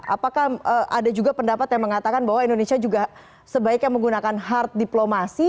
apakah ada juga pendapat yang mengatakan bahwa indonesia juga sebaiknya menggunakan hard diplomasi